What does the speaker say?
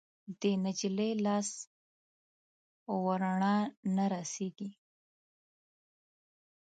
د نجلۍ لاس ورڼا نه رسیږي